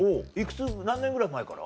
何年ぐらい前から？